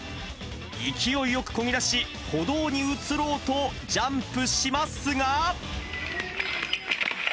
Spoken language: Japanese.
勢いよくこぎ出し、歩道に移ろうとジャンプしますが。